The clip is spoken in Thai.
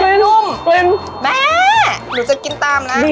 แม่หนูจะกินตามนะ